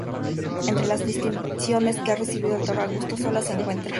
Entre las distinciones que ha recibido el Dr. Augusto Sola, se encuentra.